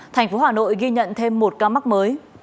tp hcm ghi nhận thêm một ca mắc mới